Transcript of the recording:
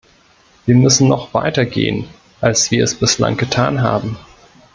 Wir müssen noch weitergehen, als wir es bislang getan haben.